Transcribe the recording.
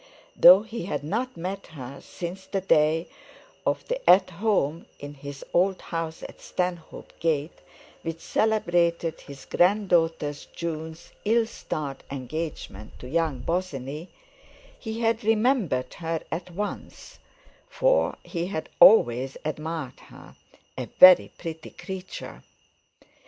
Though he had not met her since the day of the "At Home" in his old house at Stanhope Gate, which celebrated his granddaughter June's ill starred engagement to young Bosinney, he had remembered her at once, for he had always admired her—a very pretty creature.